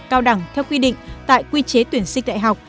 cao đẳng theo quy định tại quy chế tuyển sinh đại học